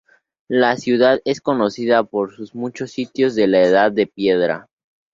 La ciudad es conocida por sus muchos sitios de la Edad de Piedra.